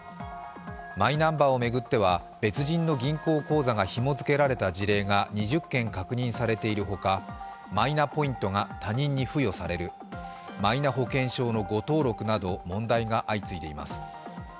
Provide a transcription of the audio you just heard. マイナンバーを巡っては別人の銀行口座がひも付けられた事例が２０件確認されているほかマイナポイントが他人に付与される、マイナ保険証の誤登録など問題が相次いでいます。